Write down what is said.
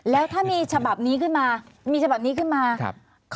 แล้วถ้ามีฉบับนี้ขึ้นมา